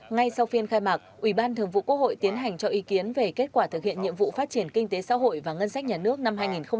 ngay sau phiên khai mạc ủy ban thường vụ quốc hội tiến hành cho ý kiến về kết quả thực hiện nhiệm vụ phát triển kinh tế xã hội và ngân sách nhà nước năm hai nghìn một mươi chín